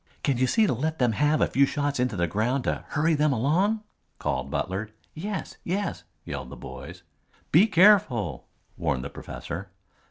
"Can you see to let them have a few shots into the ground to hurry them along?" called Butler. "Yes, yes," yelled the boys. "Be careful," warned the professor.